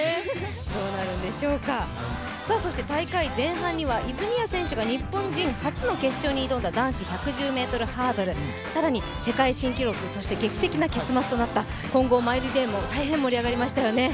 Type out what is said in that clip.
そして大会前半には泉谷選手が日本人初の決勝に挑んだ男子１１０ｍハードル更に世界新記録、劇的な結末となった混合マイルリレーも大変、盛り上がりましたよね。